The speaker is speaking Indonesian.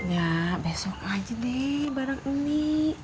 ya besok aja deh barang ini